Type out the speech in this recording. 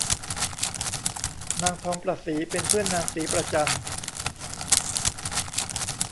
นางทองประศรีเป็นเพื่อนนางศรีประจัน